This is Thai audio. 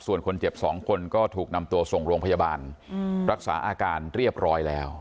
ส่วนคนเจ็บ๒คนก็ถูกนำตัวส่งโรงพยาบาลรักษาอาการเรียบร้อยแล้ว